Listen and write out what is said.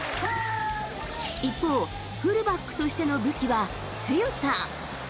一方、フルバックとしての武器は強さ。